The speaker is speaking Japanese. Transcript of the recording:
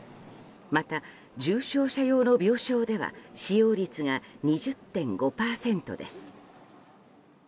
また、重症者用の病床では使用率が２０．５％です。